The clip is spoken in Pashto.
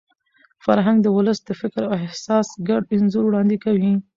فرهنګ د ولس د فکر او احساس ګډ انځور وړاندې کوي.